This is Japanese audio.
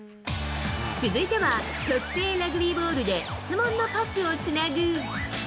続いては特製ラグビーボールで質問のパスをつなぐ。